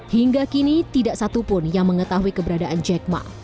hingga kini tidak satupun yang mengetahui keberadaan jack ma